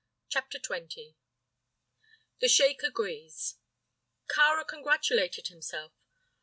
CHAPTER XX. THE SHEIK AGREES. Kāra congratulated himself.